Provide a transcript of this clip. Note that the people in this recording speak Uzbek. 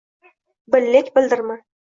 bil, lek bildirma –